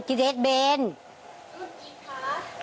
รุ่นอีกค่ะรุ่นอีกค่ะ